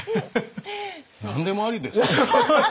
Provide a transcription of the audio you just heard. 何でもありですね。